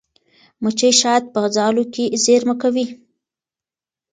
مچۍ شات په ځالو کې زېرمه کوي.